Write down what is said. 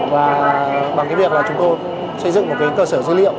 và bằng việc chúng tôi xây dựng một cơ sở dữ liệu